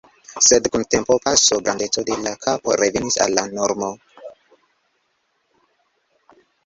Sed kun tempopaso grandeco de la kapo revenis al la normo.